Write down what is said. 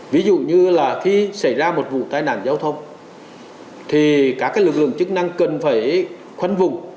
ví dụ như là khi xảy ra một vụ tai nạn giao thông thì các lực lượng chức năng cần phải khuất vùng